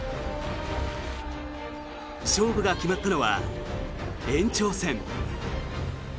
勝負が決まったのは延長戦。